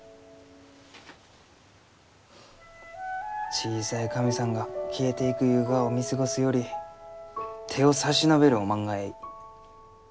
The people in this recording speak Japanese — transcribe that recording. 小さい神さんが消えていくゆうがを見過ごすより手を差し伸べるおまんがえい。